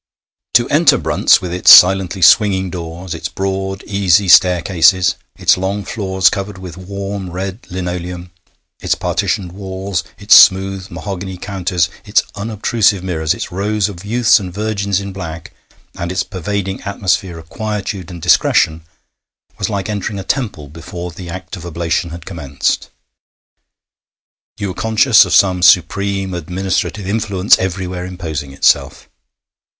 To enter Brunt's, with its silently swinging doors, its broad, easy staircases, its long floors covered with warm, red linoleum, its partitioned walls, its smooth mahogany counters, its unobtrusive mirrors, its rows of youths and virgins in black, and its pervading atmosphere of quietude and discretion, was like entering a temple before the act of oblation has commenced. You were conscious of some supreme administrative influence everywhere imposing itself.